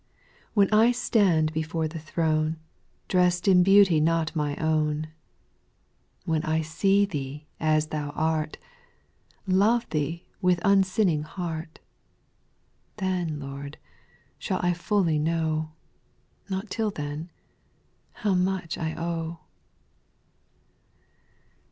3. When I stand before the throne, Dress'd in beauty not my own, When I see Thee as Thou art. Love Thee with unsinning heart. Then, Lord, shall I fully know, — Not till then, — how much I owe.